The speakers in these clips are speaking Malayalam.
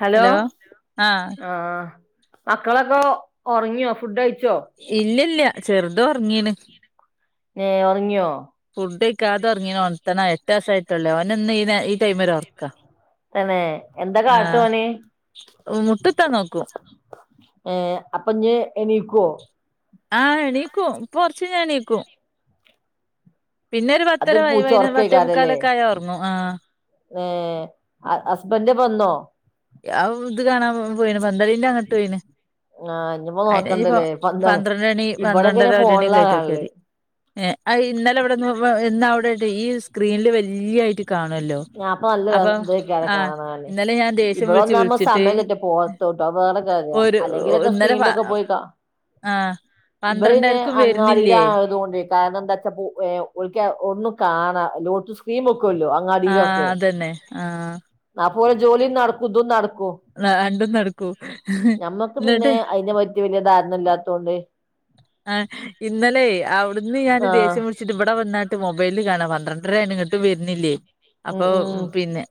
ഹലോ ആഹ് മക്കളൊക്കെ ഉറങ്ങിയോ ഫുഡ് ഇല്ലല്ല ചെറുത് ഉറങ്ങീണ് ഏഹ് ഉറങ്ങിയോ ഒറങ്ങീണ് ഒണത്തണം എട്ട് വയസായിട്ടുള്ളേ ഓനിന്ന് ഈ നേ ഈ ടൈമില് ഒറക്കാ തന്നെ എന്തൊ കാട്ടുവാ ആഹ് ഓന് മുട്ടുത്താൻ നോക്കും അപ്പോ ഇഞ്ഞ് എണിക്കുവോ ആഹ എണീക്കൂ പൊറച്ച ഞാ എണീക്കൂ അതൊരു പൂച്ച പത്തേ ഉറക്കേക്കാരല്ലേ മുക്കാലൊക്കെ ആയാ ഒറങ്ങും ആഹ് ഏർ ഹസ്ബൻഡ വന്നോ അത് കാണാ പോയി പന്ത്രളിന്റെ അങ്ങോട്ട് പോയിന് ആ ഇഞ്ഞിപ്പോ അയിന്പ്പോ നോക്കണ്ടല്ലേ പന്താണ് പന്ത്രണ്ട മണി ഇവിടെങ്ങനെ പന്ത്രണ്ടര ഒ മണിൊക്കെ ഫോണിലാ ആയിട്ട് വോക്കിയാൽ കാണല് മതി ഏ ഇന്നലെ അവിടെന്ന് ഇന്ന്‌ അവിടെ [unintelligible] സ്ക്രീനില് വല്ല്യായിട്ട് ഞാൻ അപ്പൊ നല്ല ഇതൊക്കെയാണ് ആഹ് കാണാന് ഇന്നലെ ഞാൻ ദേഷ്യം ഇവിടെ പിടിച്ച് വന്നാവുമ്പോ സമയം വിളിച്ചിട്ട് പോറത്തോട്ടോ [unintelligible] ഒരു അല്ലെങ്കിലൊക്കെ ഇന്നലെ പ സ്ക്രീനിലൊക്കെ പോയി കാ ആഹ് ഇത് പിന്നെ പന്ത്രണ്ടരക്കും അങ്ങാടിയില് വരുന്നില്ലേ ആയത് കൊണ്ടേ കാരണം എന്താ വച്ചാപ്പോ ഓൾക്ക് ഓ ഒന്നും കാണാ എല്ലാടത്തും സ്ക്രീൻ വക്കൂലോ ആ അതന്നെ ആ അതുപോലെ ജോലി നടക്കുന്നതും നട ആ രണ്ടും നടക്കൂ ഇന്നട്ട് വല്യ ധാരണല്ലാത്തോണ്ട് ആ ഇന്നലെ അവിടുന്ന് ഞാൻ ആഹ് ദേഷ്യം പിടിച്ചിട്ട് ഇവിടെ വന്നാട്ട് മൊ മൊബൈല് കാണാ പന്ത്രണ്ടരായ്ണ് ഇങ്ങട്ടും വര്ന്നില്ലേ ഉം അപ്പൊ ഉം പിന്നെ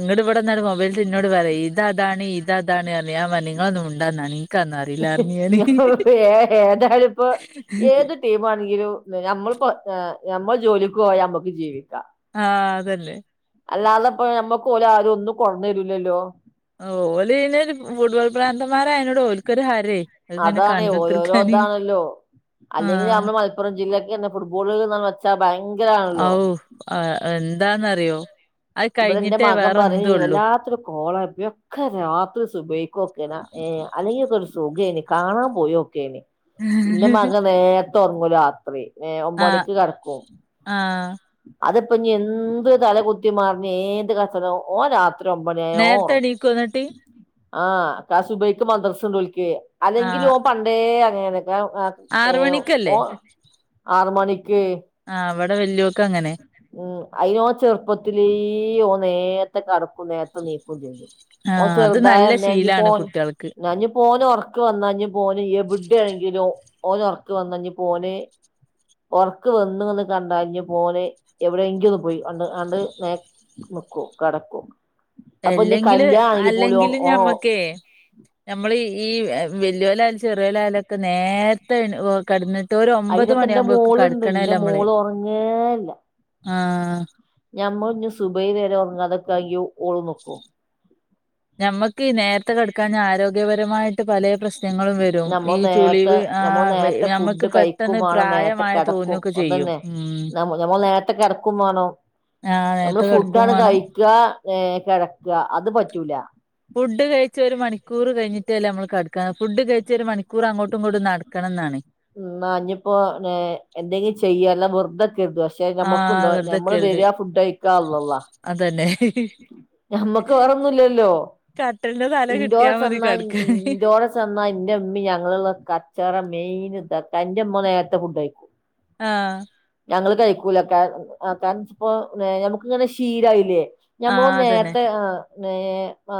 ഇങ്ങട് വിടെന്നാണ്ട് മൊബൈൽസ് ഇന്നോട് പറെ ഇത് അതാണ് ഇതതാണർഞ് ഞാൻ പർഞ് ഇങ്ങളൊന്ന് മിണ്ടാന്നാണി എനിക്കതൊന്നും അറിയില്ല പറഞ്ഞ് ഞാന് ഏ ഏതാലും പൊ ഏത് ടീം ആണെങ്കിലും നമ്മള്പ്പോ ഞമ്മള് ജോലിക്കോയ അമ്മക്ക് ജീവിക്ക ആഹ അതല്ലേ അല്ലാതെപ്പ നമ്മക്കോലാരും ഒന്നും കൊട്ന്നെരൂലല്ലോ ഓ ഓലയ്ന്ര് ഫുട്ബോൾ പ്രാന്തമാരായനോട്‌ ഓൽ ക്കൊര് ഹരേ അതിങ്ങനെ അതാണേോ കണ്ട് ഓരോരോ കുത്തിർക്കാന് ഇതാണല്ലോ അല്ലെങ്കി ആഹ് ഞമ്മളെ മലപ്പുറം ജില്ലക്കന്നെ ഫുട്ബോള് ന്നർ ഔ ആ എന്താന്നറിയോ അത് ഇവിടെന്റെ കഴിഞ്ഞിട്ടേ മകം വേറെ പറിം എന്തുള്ളൂ വല്ലാത്തൊരു കോള യൊക്കെ രാത്രി സുബയിക്കോക്ണാ ഏഹ് അല്ലെങ്കിലൊക്കെ ഒരു സുഖേനി കാണാൻ പോയോക്കെനി. ഇൻ്റെ മകൻ നേ തൊറങ്ങും ലാത്രി ഏ ആഹ് ഒമ്പണിക്ക് കട്ക്കും. ആഹ് അതിപ്പ ഇഞ് എന്ത് തല കുുത്തി മറ്ഞ്ഞ് ഏത് കച്ചെറ ഓൻ രാ നേരത്തെ എണീക്കൊ ഇന്നട്ട് ആഹ് ത്താ സുബൈയ്ക്ക് മദ്രസ്ണ്ട് ഓൽ ക്കെ. അല്ലെങ്കിലും ആഹ് ഓൻ പണ്ടേ അങ്ങനേണ്. [unintelligible] ആറ് ഏഹ് മണിക്കല്ലേ ഓ ആറ് മണി [unintelligible] അവിടെ വല്ല്യോ അങ്ങനെ അയ്യോ ഓൻ ചെറുപ്പത്തിലേ ഓൻ നേരത്തെ കടക്കും നേരത്തെ എണീക്കും ചെയ്യും ഓ ആഹ് അത് നല്ല ചെറുതായന്ന അഞ് ശീലാണ് ഓന് കുട്ടികൾക്ക് അഞ്ഞ് ഓന് ഉറക്ക് വന്ന ഓൻ എവിടെയാണെങ്കിലും ഓന് ഉറക്ക വന്ന ഞ് ഓന് ഉറക്ക് വന്ന് ന്ന് കണ്ടാഞ്ഞ് ഓന് എവിടെ എങ്കിലന്ന് പോയി കണ്ട് നിക്കും കടക്കും അപ്പൊ ഇഞ്ഞി കല്യാണാണെങ്കി പോലും അല്ലെങ്കിലും ഓൻ ഓ ഞമ്മുക്കേ നമ്മൾ ഈ വല്ല്യോയോലാലും ചെറിയോലായാലൊക്കെ നേരത്ത കടന്നിട്ട് അയിനൊക്കെ എന്റെ മോളുണ്ട് എറെ മോള് ഉറങ്ങേല്ല ആ ഞമ്മൾ ഇഞ്ഞ് സുബഹി വരെ ഉറങ്ങാതെ കയ്യും ഓള് നോക്കൊ [unintelligible] ഈ നേരത്തെ കടക്കാൻ ആരോഗ്യപരമായിട്ട് എന്നിട്ട് പല പ്രശ്നങ്ങളും വരും ഞമ്മൾ ഈ നേരത്തെ ചുളിവ് ആ ഞമ്മൾ നേരത്തെ ഫുഡ് നമ്മുക്ക് കഴിക്കും പെട്ടെന്ന് വേണം നേരത്തെ പ്രായമായ കിടക്കും തോന്നൊക്കെ ചെയ്യും അതന്നെ ഉം [inaudible] ഹലോ ആ നമ്മള് നേരത്തെ കെടക്കും ഫുഡാണ് വേണം കഴിക്കുക ഏ കിടക്കുക അത് [inaudible] പറ്റൂല ഫുഡ് കഴിച്ച് ഒരു മണിക്കൂർ കഴിഞ്ഞിട്ടല്ലേ നമ്മള് കടക്ക ഫുഡ് കഴിച്ച ഒരു മണിക്കൂർ അങ്ങോട്ടും ഇങ്ങോട്ടും നടക്കണംന്നാണ് ഉ അഞ്ഞപ്പോ എന്തെങ്കിലും ചെയ്യല്ല വെറുതെ [unintelligible] പക്ഷെ ആ ഞമ്മക്ക്ണ്ടോ ഞമ്മള് വെറുതെക്കരുത് വരിയാ ഫുഡ് കഴിക്ക അള്ളാ അള്ളാ അതന്നെ ഞമ്മക്ക് വേറൊന്നുല്ലല്ലോ കട്ടിലിന്റെ തല കിട്ടിയാ ഇന്റോടെ മതി ചെന്ന കെടക്കാന് ഇന്റോടെ ചെന്ന എന്റെ ഉമമീം ഞങ്ങളും കച്ചറം മെയിൻ [inaudible] നേരത്തെ ഫുഡ് കയിക്കും ആ ഞങ്ങള് കഴിക്കൂല കാരണം ഇപ്പോ ഞമ്മക്കിങ്ങനെ ശീലായില്ലേ ആ ഞമ്മോ അതന്നെ നേരത്തെ ആ [inaudible] ആ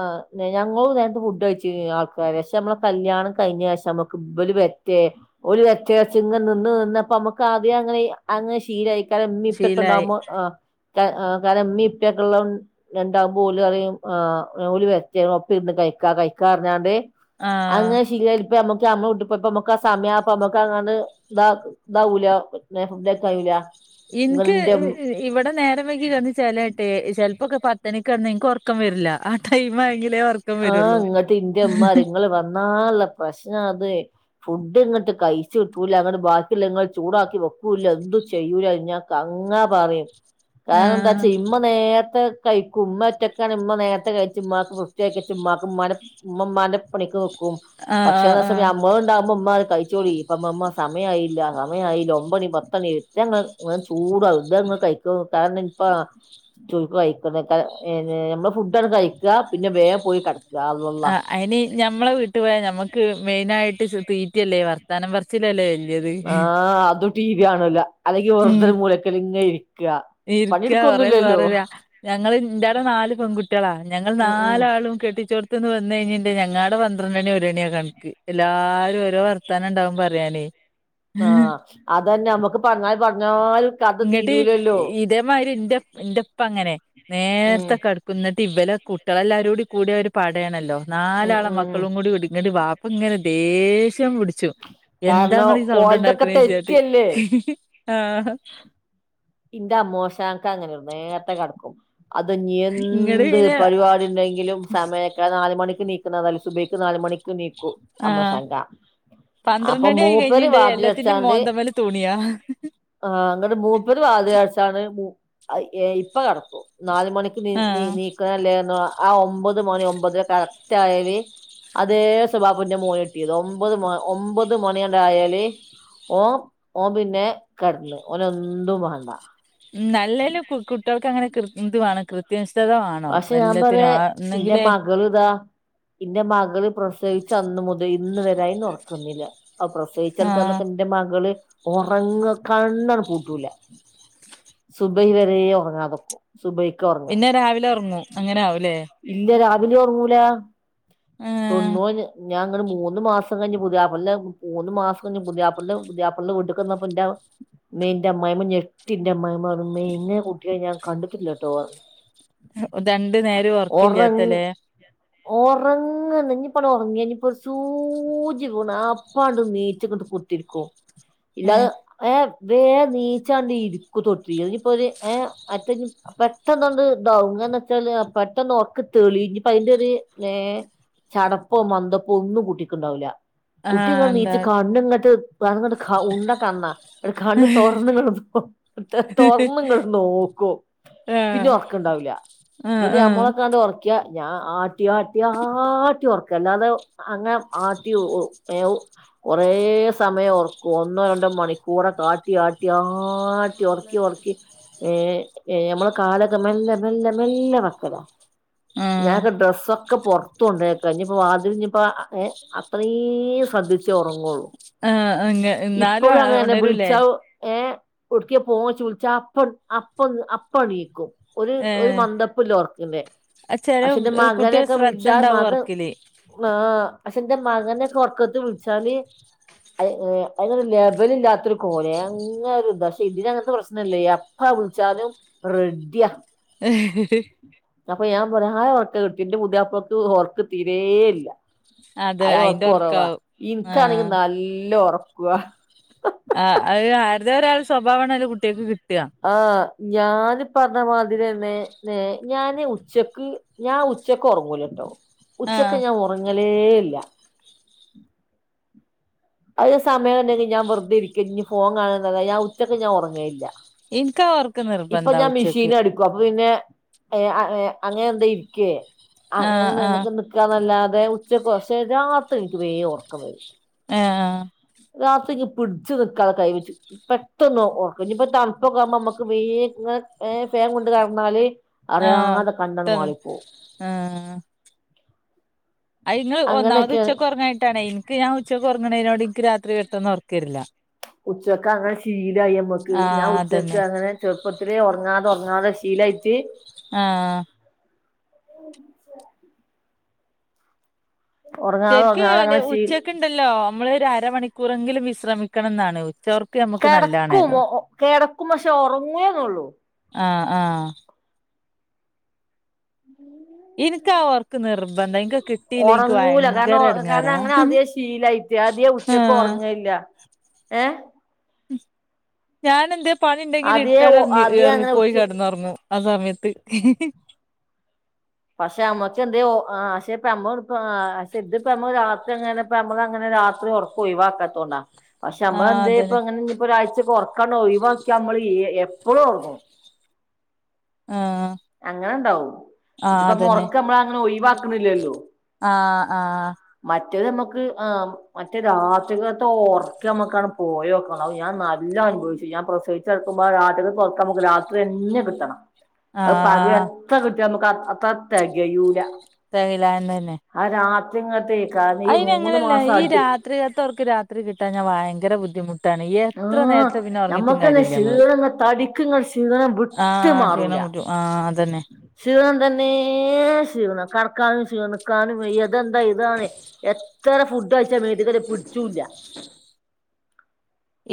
ഞങ്ങളും നേരത്തെ ഫുഡ്‌ കയ്ച്ചീനി ആൾക്കാര് പക്ഷെ നമ്മളെ കല്യാണം കഴിഞ്ഞ ശേശം നമ്മുക്ക് ഇബല് വരറ്റേ ഓൽ വരറ്റെ ഇങ്ങനെ നിന്ന് നിന്നപ്പ നമുക്ക് ആദ്യെ അങ്ങനെ അങ്ങനെ ശീലായി ക ശീലായി ഇമ്മീപ്പക്കണ്ടാവുമ്പോ ആ കാരണം എമ്മീ ഇപ്പൊക്കെ ഉള്ള ഉണ്ടാകുമ്പോ ഓല് പറിം ഓല് വരട്ടെ ഒപ്പിര്ന്ന് കഴിക്കാ കഴിക്കാ പറഞ്ഞാണ്ട് ആ അങ്ങനെ ശരിയാ അപ്പൊ നമുക്ക് അമ്മ ഉപ്പൊമക്ക് സമയം അപ്പൊ നമ്മക്ക് അങ്ങട്ട് ഇതാ ഇതാവൂല പിന്നെ ഫുഡാക്കായൂല എനിക്ക് ഇവിടെ നേരം വയ്കി കടന്ന് ചേലായിട്ട് ചെലപ്പൊക്കെ പത്തണിക്ക് കടന്ന നിക്ക് ഉറക്കം വരില്ല ആ ടൈം ആയെങ്കിലേ ഒറക്കം ആഹ് വരുള്ളൂ ഇങ്ങട്ട് ഇന്റെ അമ്മാ ഇങ്ങള് വന്നാല്ല പ്രശ്നം അത് ഫുഡ് ഇങ്ങോട്ട് കഴിച്ചു കിട്ടൂല്ല അങ്ങോട്ട് ബാക്കിയുള്ള നിങ്ങള് ചൂടാക്കി വെക്കൂല്ല എന്തും ചെയ്യൂല ഞാ കങ്ങാ പറയും കാരണം ആഹ് എന്താച്ചാ ഇമ്മ നേരത്തെ കഴിക്കുമ്പ ഒറ്റൊക്കാണ് ഇമ്മ നേരത്തെ കഴി ച്ചിമാക്ക് വൃത്ത്യാക്ക്യ ച്ച് മ്മാക്ക് മ്മ മ്മാൻ്റെ പണിക്ക് കും ആഹ് ആഹ് പക്ഷേന്ന് വെച്ച ആഹ് അമ്മള് ണ്ടാവുമ്പോ മ്മറും കഴിച്ചോടി ഇപ്പ അമ്മ സമയമായില്ല സമയായില്ല ഒമ്പണി പത്തണി ത്ത് നാങ്ങള ചൂടാവും ഇത് കഴിക്ക് കാരണം ഇപ്പ ചുകായി കഴിക്ക നമ്മുടെ ഫുഡണ് കഴി ആ അയ്ന് ഞമ്മളെ വീട്ടു പോയാ നമ്മക്ക് മെയിനായിട്ട് തീറ്റിയല്ലേ വർത്താനം പറിച്ചിലല്ലേ ആഹ് അതും ടിവി കാണുല്ല അല്ലെങ്കി ഉം വറുതൽ മൂലൊക്കൽ ഇങ്ങ ഇരി ഇരിക്ക കൊറെ സൊറ റഞങ്ങള് ഇൻ്റാടെ നാല് പെൺകുട്ടികളാ ഞങ്ങൾ ഉം ഉം നാലാള് ന്ന് വന്നു കഴിഞ്ണ്ടെങ്കില് ഞങ്ങളാടെ പന്ത്രണ്ടണി ഒരണിയാ കൺക്ക്. എല്ലാരും ഓരോ വർത്താനം ണ്ടാവും പറ്യാനേയ് ആഹ് അതന്നെ നമ്മുക്ക് പറഞ്ഞാല് പറഞ്ഞാലും കഥ ഇങ്ങട്ട് തീരുലല്ലോ ഇതേമാതിരി ഇന്റെ ഇന്റെപ്പ അങ്ങനെ ഉം നേരത്തെ കടക്കും ഇന്നട്ടിവലെ കുട്ടികളെല്ലാവരും കൂടിയ ഒര് പടയണല്ലോ ഉം നാലാളെ ഉം മക്കളും കൂടി [unintelligible] വാ അപ്പൊ ഇങ്ങനെ ദേഷ്യം പിടി ചും എന്താ കാരണം ഇങ്ങളീ സൗണ്ട് ഓലതൊക്കെ ഉണ്ടാക്കണ തെറ്റല്ലേ [unintelligible] ആഹ് ഇന്റെ അമ്മോശാക്ക അങ്ങനെ നേരത്തെ കിടക്കും അത് ഇനി ഇങ്ങട് എന്ത് പിന്നെ പരിപാടി ഉണ്ടെങ്കിലും സമയൊക്കെ നാല് മണിക്ക് എണീ ക്ക്ണതല്ലേ. സുബയിക്ക് നാല് മണിക്ക് ണീക്കും ആഹ് അമ്മൊശാക അപ്പൊ പന്ത്രണ്ടണി ആയി മൂപ്പേര് കഴിഞ്ഞിണ്ട് എല്ലാത്തിന്റിം വാതിലടച്ചാണ്ട് മോന്തമ്മല് തുണിയാ ആ അങ്ങോട് മൂ വാതിലടചാണ് ഇപ്പൊ കിടക്കും നാല് മണിക്ക് നി ആഹ് നീനീക്കണല്ലേ ന്നോ ആ ഒമ്പത് മണി ഒമ്പതര കറക്റ്റ് ആയാല് അതേ സ്വഭാവമെന്റെ മോന് കിട്ടിയത് ഒമ്പത് മ ഒമ്പത് മണിയാണ്ടായാല് ഓ ഓൻ പിന്നെ കിടന്ന് ഓനൊ ഫുഡും വേണ്ട അല്ലേലും കുട്ടികൾക്ക് അങ്ങനെ ഇതു വേണം കൃത്യം പക്ഷെ ഞാൻ പറയാ എന്റെ മകൾ ഇതാ എന്റെ മകള് പ്ര പ്രസവിച്ച് അന്ന് മുതൽ ഇന്ന് വരെ അയിന് ഉറക്കൊന്നുമില്ല ആ ആഹ് പ്രസവിച്ചിടക്കണന്നൊക്കെ എന്റെ മകള് ഉറങ്ങാ കണ്ണ് അങ്ങണ്ട് പൂട്ടൂല സുബൈ വരെ ഒറങ്ങാതെ നിക്കും പിന്നെ രാവിലെ ഉറങ്ങും അങ്ങനെ ആവുല്ലേ പിന്നേ ഉറങ്ങൂല തൊറു [unintelligible] ഞാൻ അങ്ങന് മൂന്ന് മാസം കഴിഞ്ഞ് പുതിയാപ്ലനെ മൂന്ന് മാസം കഴിഞ്ഞ് പുതിയാപ്ലന്റെ പുതിയാപ്ലന്റെ വീട്ടിക്ക് ചെന്നപ്പോ എന്റെ അമ്മായിഅമ്മ ഞെട്ടി എന്റെ അമ്മായിഅമ്മ പറഞ്ഞു ഇന്നെയും കുട്ടിനേ ഞാൻ കണ്ടിട്ടില്ലട്ടോ പറഞ്ഞു രണ്ടു നേരം ഒറങ്ങ് ഉറക്കില്ലാത്തല്ലേ ഒറങ്ങണിഞ്ഞാ അപ്പ ഉറങ്ങ്യ ഇപ്പൊ ഒരു സൂചി വീണ അപ്പോണ്ട് എണീച്ചുകൊണ്ട് കുത്തിരിക്കും ഏ ഇല്ലാതെ ഏഹ വേ എണീച്ചാണ്ടിരിക്കും ക്കു തൊട്ടിരിക്കും ഇനിപ്പോ ദേ ഏ മറ്റോ പെട്ടെന്നൊന്ന് ഇതാവും എന്താ വെച്ചാല് പെട്ടെന്ന് ഒറക്കെ തെളിയും അപ്പോ അതിന്റെ ഒരു ചടപ്പോ മന്ദപ്പോ ഒന്നും കുട്ടിക്കുണ്ടാവില്ല ആ എന്താ കുട്ടിങ്ങണീച്ച് കണ്ണിങ്ങട്ട് അതങ്ങിട്ട് ഉണ്ട കണ്ണാ കണ്ണ് ആഹ് തുറന്നാങ്ങള് തുറന്ന് ഇങ്ങനെ നോക്കും പിന്നെ ഉറക്കുണ്ടാവില്ല ആഹ് ന്നിട്ട് ആഹ് നമ്മളെക്കണ്ട് ഉറക്കിയ ഞാൻ ആട്ടി ആട്ടി ആട്ടി ഉറക്കും അല്ലാതെ അങ്ങനെ ആട്ടി [unintelligible] കുറേ സമയം ഉറക്കും ഒന്നോ രണ്ടോ മണിക്കൂറൊക്കെ ആട്ടി ആട്ടി ആ ഉറക്കി ഉറക്കി ഏ ഏ ഞമ്മളെ കാലൊക്കെ മെല്ലെ മെല്ലെ മെല്ലെ വെക്കലാ ആഹ് ഞാക്കെ ഡ്രെസൊ ഒക്കെ പുറത്ത് കൊണ്ടോയെക്ക്യ ഇഞ്ഞിപ്പ വാതിൽ ഇഞ്ഞിപ്പോ ഏ അത്രയും ശ്രദ്ധിച്ചേ ഉറങ്ങുള്ളൂ ആ അങ്ങ എന്നാലും ഉണരൂല്ലേ കുട് പോ ചുളിച്ച അപ്പ അപ്പ അപ്പണീക്കും ഒരു ഒരു മന്ദപ്പില്ല ഉർക്കത്തിന്റെ ചെല പക്ഷേന്റെ കുട്ടികൾ മകനൊക്കെ ശ്രദ്ധ വിളിച്ചാൽ ഉണ്ടാവും മകൻ ഉറക്കില് പക്ഷെ എന്റെ മകനെക്കെ ഉറക്കത്ത് വിളിച്ചാല് അതിനൊരു ലെബല് ഇല്ലാത്തൊരു കോലായി അങ്ങനെ ഒരുഇതാ ഇതിനങ്ങത്തെ പ്രശ്നം ഇല്ല എപ്പാ വിളിച്ചാലും റെഡിയ ഏ പ്രധായ ഓർക്ക കിട്ടി എന്റെ പുതിയപ്പക്ക് ഓർക്കക്ക് തീരേ ഇല്ല അതെ അയിന്റെ അത്റക്കുറവാ ഉറക്കാവും ഇനക്കാണെങ്കിൽ ആഹ് നല്ല ഉറപ്പ വാ ത ഒരാൾ സ്വഭാവണ ട്ടിയാൾക്ക് കിട്ടാ ഞാനിപ്പ മാതിരി തന്നെ ഞാന് ഉച്ചക്ക് ഞാൻ ഉച്ചക്ക് ഉറങ്ങൂല ട്ടോ ഉച്ചക്ക് ആഹ് ഞാൻ ഉറങ്ങലേ ല്ല അത് സം [unintelligible] ഞാൻ വർ തെരി ഫോൺ കാണുന്നത ഞാ ഉച്ചയ്ക്ക് ഞാൻ ഉറങ്ങേയില്ല എനിക്ക ഓർക്ക് നിർബന്ധ ഉച്ചേക്ക് ഏ അങ്ങനെ എന്താ ഇരിക്കേ അങ്ങനെ ആഹ് ആഹ് നിനക്ക് നിക്കാന്നല്ലാതെ ഉച്ച പക്ഷേ രാത്രി എനിക്ക് വേ ഓർക്കം വരും ആഹ് രാത്രി ഇ പിടിച്ച്ു നക്കാതെ കൈ വച്ച് പെട്ടെന്ന്ക്ക ഇനിയിപ്പോ തണുപ്പൊക്കുമ്പോ നമുക്ക് വ ഫേ കൊണ്ട് കന്നാല് ആഹത് ആഹ അ ഇ ഒന്നാമത് അങ്ങനെയൊക്കെ ഉച്ചക്ക്ുറങ്ങായിട്ടാണ്േ എനിക്ക് ഞാ ഉച്ചക്ക്ുറണതിനോട് ക്ക് രാത്രി വെട്ടെന്ന്ന്ന് ഉറക്കരില്ല ഉച്ചക്ക അങ്ങനെ ശീലായി അമ്മക്ക് ഞാൻ ആഹ് ഉച്ചക്ക് അതന്നെ അങ്ങനെ ചെറുപ്പത്തില് ഉറങ്ങാതെ ഉറങ്ങാതെ ശീലായിട്ട് ആഹ് ച്ച ഉറങ്ങാതെ ശരിക്ക അങ്ങനെ ശീ ഉച്ചക്ക ഉണ്ടല്ലോ നമ്മൾ ഒരു അരമണിക്കൂറെങ്കിലും വിശ്രമിക്കണംാണ് കിടക്കുമോ കട ഒക്കും മക്ഷേ ഉറങ്ങുവേന്നള്ളൂ ആഹ ആഹ ഇൻക്ക് ആ ഒർക്ക് നിർബന്ധ ഇൻക്ക് കിട്ടിയില്ല ഇൻക്ക് ഉറങ്ങൂല കാരണം ഭയങ്കര കാരണം എടങ്ങേറാ അങ്ങനെ അധിക ശീലയിട്ട അധിക ഉച്ചക്ക് ആഹ് ഉറങ്ങല്ല ഏ ഉ ഞാന എന്ത പണി ഉണ്ടെങ്കിൽ അധികെ ഇട്ടടറിഞ്ഞു അധികം ഇങ്ങ അങ്ങനെ പോയി ഉച്ച കിടന്നുറഞ്ഞു ആ സമയത്ത് പക്ഷെ അമ്മക്ക് എന്ത പക്ഷെപ്പമ്മ പക്ഷെ ഇതിപ്പമ്മ രാത്രി എങ്ങെപ്പ നമ്മള അങ്ങനെ രാത്രി ഉറക്ക ഒഴിവാക്കത്തോണ്ടാ പക്ഷെ നമ്മ ആഹ് എന്ത അതന്നെ ഇപ്പങ്ങന ഇപ്പോ ഒരാഴ്ചറ ഇതൊക്കെ ഒന്ന് ഒഴിവാക്കിയാ മതീന്ന് എപ്പഴും ഓർക്കും ആഹ് അങ്ങനെണ്ടാവും ആഹ് ഇതിപ്പ അതന്നെ മുറക്ക് നമ്മള അങ്ങനെ ഒഴിവാക്കുന്നില്ലല്ലോ ആഹ് ആഹ് മാ മറ്റത്ത് നമ്മക്ക് ങ്ങേ മറ്റെ രാത്രികാല ഉറക്കം നമ്മക്ക് ങ്ങാട്ട് പോയിനോക്കണം ഞാൻ നല്ല അനുഭവിച്ച് ഞാൻ പ്രസവിച്ചിടക്കുമ്പ [unintelligible] രാത്രിതന്നെ കിട്ടണം പകെ ആഹ് എത്രകിട്ടിയ നമ്മ ആ തത്തകയൂല സഹലന്നന്ന ങ്ങത്തെ അയിന് അങ്ങനെയല്ലേ ഈ രാത്രികത്തവർക്ക് രാത്രി കിട്ടാൻ ഞ ഭയങ്കര ബുദ്ധി [inaudible] [unintelligible] നമ്മള് ആഹ് ക്ഷീണം മുറ്റും ആഹ് അതന്നെ ശിണം തന്നെ ശിണം കടക്കാവും ശിണം [inaudible] ഇതെന്താ ഇതാണ് തറഫുണ്ട് [unintelligible] മേ പിടിച്ചൂല്ല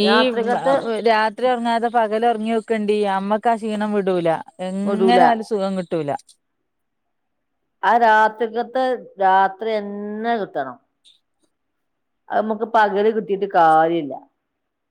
ഈ രാത്രിക്കത്തെ രാത്രി ഉറങ്ങാതെ പകൽ ഉറങ്ങി ക്കണ്ട അമ്മ ക്ഷീണം വിടൂല എങ്ങനെ വിടൂല ആാലും സുഖം കിട്ടൂല ആ രാത്രിക്കത്തെ രാത്രി എന്നന്നെ കിട്ടണം അ നമ്മുക്ക് പകല് കിട്ടീട്ട് കാര്യമില്ല